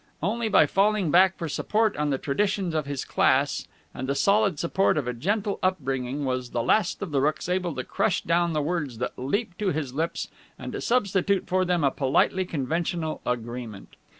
Only by falling back for support on the traditions of his class and the solid support of a gentle up bringing was the Last of the Rookes able to crush down the words that leaped to his lips and to substitute for them a politely conventional agreement.